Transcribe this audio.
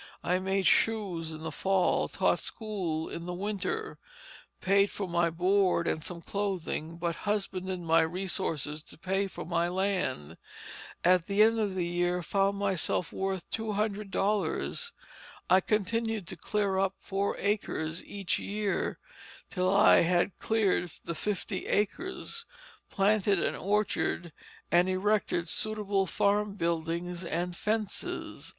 I made shoes in the Fall, taught school in the Winter, paid for my board and some clothing, but husbanded my resources to pay for my land. At the end of the year found myself worth two hundred dollars. I continued to clear up four acres each year till I had cleared the fifty acres, planted an orchard and erected suitable farm buildings and fences."